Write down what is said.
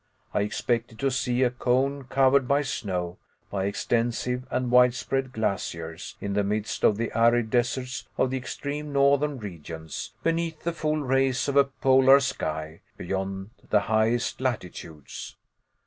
I expected to see a cone covered by snow, by extensive and widespread glaciers, in the midst of the arid deserts of the extreme northern regions, beneath the full rays of a polar sky, beyond the highest latitudes.